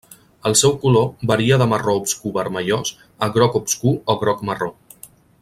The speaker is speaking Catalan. El seu color varia de marró obscur vermellós a groc obscur o groc-marró.